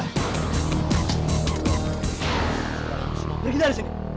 lihat lihat di sini